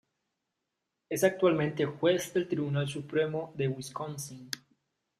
Es actualmente juez del Tribunal Supremo de Wisconsin.